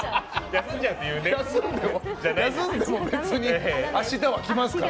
休んでも別に明日は来ますから。